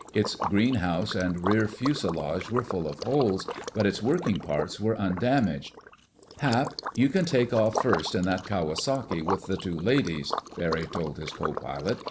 Its greenhouse and rear fuselage were full of holes, but its working parts were undamaged. "Hap, you can take off first in that Kawasaki with the two ladies," Barry told his co pilot.